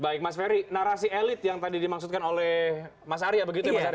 baik mas ferry narasi elit yang tadi dimaksudkan oleh mas arya begitu ya mas arya